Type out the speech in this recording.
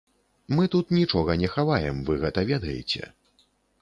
Мы тут нічога не хаваем, вы гэта ведаеце.